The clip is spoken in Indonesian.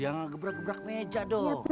jangan gebrak gebrak meja dong